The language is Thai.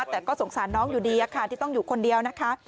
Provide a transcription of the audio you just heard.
แต่ก็สงสารน้องอยู่ดีค่ะที่ต้องอยู่คนเดียวนะคะ